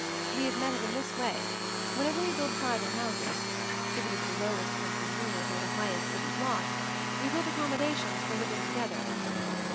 We have met it in this way. Whenever we build private houses — if it is the lowest country unit, or the highest city block, we build accommo dations for living together.